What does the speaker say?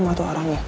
mama tuh orangnya